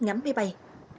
ngắm máy bay